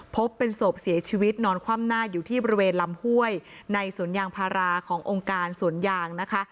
พบเป็นศพเสียชีวิตนอนคว่ำหน้าอยู่ที่บริเวณลำห้วยในสวนยางพาราขององค์การสวนยางนะคะ